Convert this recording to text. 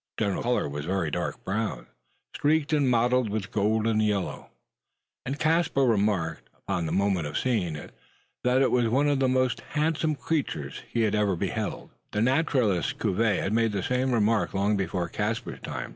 Its general colour was a very dark brown, streaked and mottled with golden yellow; and Caspar remarked, upon the moment of seeing it, that it was one of the handsomest creatures he had ever beheld. The naturalist Cuvier had made the same remark long before Caspar's time.